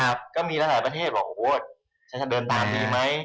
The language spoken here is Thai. ส่วนยุโรปเนี่ยก็มีหลายประเทศบอกว่าโอ๊ยจะเดินตามดีมั้ย